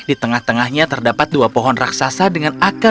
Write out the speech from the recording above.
di tengah tengahnya terdapat dua pohon raksasa dengan akar